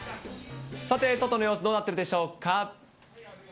さて、外の様子どうなっているでしょうか。